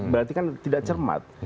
berarti kan tidak cermat